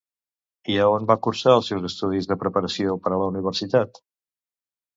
I a on va cursar els seus estudis de preparació per a la universitat?